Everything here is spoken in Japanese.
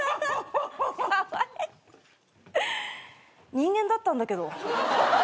人間だったんだけど。